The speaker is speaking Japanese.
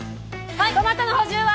はいトマトの補充は？